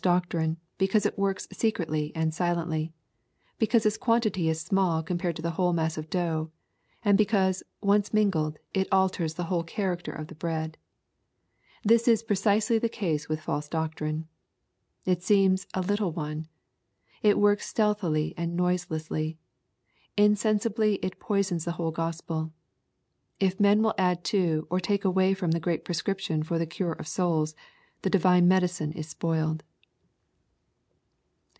doctrine, because it works secretly and silently, — ^because its quantity is small compared to the whole mass of dough, — and because, once mingled, it alters the whole character of the bread. This is precisely the case with false doctrine. It seems " a little one." It works stealthily and noiselessly. Insensibly it poisons the whole Gospel. If men will add to or take away from the great prescription for the cure of souls, the divine medicine is spoiled.